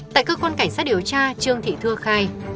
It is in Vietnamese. tại cơ quan cảnh sát điều tra trương thị thưa khai